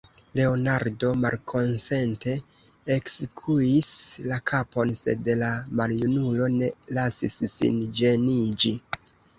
Leonardo malkonsente ekskuis la kapon, sed la maljunulo ne lasis sin ĝeniĝi.